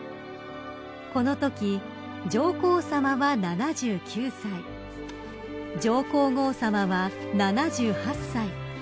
［このとき上皇さまは７９歳上皇后さまは７８歳］